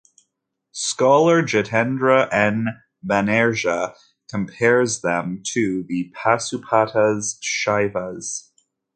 Scholar Jitendra N. Banerjea compares them to the Pasupatas Shaivas.